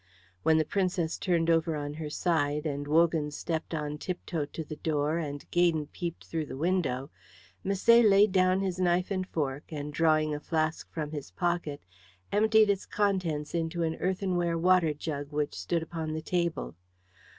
When the Princess turned over on her side, and Wogan stepped on tiptoe to the door and Gaydon peeped through the window, Misset laid down his knife and fork, and drawing a flask from his pocket emptied its contents into an earthenware water jug which stood upon the table.